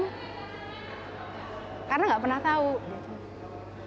saya merasa saya nggak pernah tahu saya waktunya panjang apa nggak